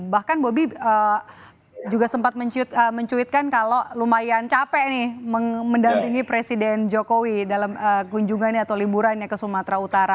bahkan bobi juga sempat mencuitkan kalau lumayan capek nih mendampingi presiden jokowi dalam kunjungannya atau liburannya ke sumatera utara